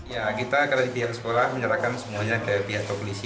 ya kita akan dari pihak sekolah menyerahkan semuanya ke pihak polisi